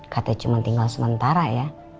katanya cuma tinggal sementara ya